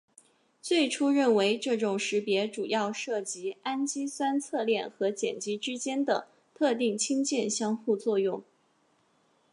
最初认为这种识别主要涉及氨基酸侧链和碱基之间的特定氢键相互作用。